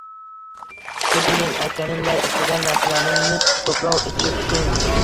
Xuddi men aytganimday, o`qigan narsalarimni ko`proq ichib, esin